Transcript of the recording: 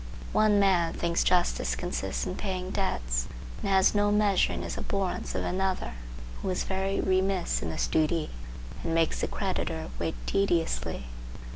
One man thinks justice consists in paying debts, and has no measure in his abhorrence of another who is very remiss in this duty and makes the creditor wait tediously.